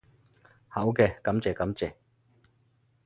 好嘅，感謝感謝